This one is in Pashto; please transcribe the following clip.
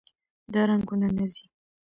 دا رنګونه نه ځي.